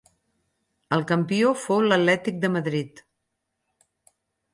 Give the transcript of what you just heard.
El campió fou l'Atlètic de Madrid.